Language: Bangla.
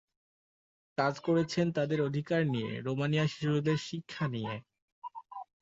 কাজ করছেন তাদের অধিকার নিয়ে, রোমানি শিশুদের শিক্ষা নিয়ে।